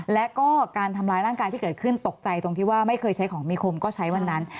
และก็การทำร้ายร่างกายที่เกิดขึ้นตกใจตรงที่ว่าไม่เคยใช้ของมีคมก็ใช้วันนั้น